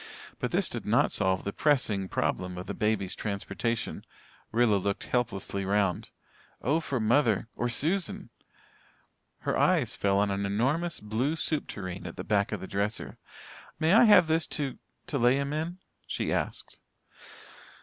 But this did not solve the pressing problem of the baby's transportation. Rilla looked helplessly round. Oh, for mother or Susan! Her eyes fell on an enormous blue soup tureen at the back of the dresser. "May I have this to to lay him in?" she asked.